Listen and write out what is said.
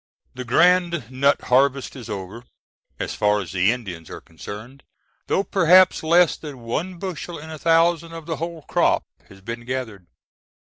The grand nut harvest is over, as far as the Indians are concerned, though perhaps less than one bushel in a thousand of the whole crop has been gathered.